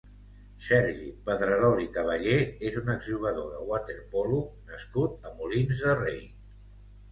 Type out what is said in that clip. Sergi Pedrerol i Cavallé és un ex-jugador de waterpolo nascut a Molins de Rei.